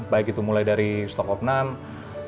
baik itu mulai dari stock of none